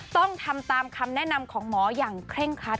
ต้องทำตามคำแนะนำของหมออย่างเคร่งคัด